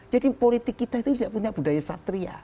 jadi politik kita itu tidak punya budaya satria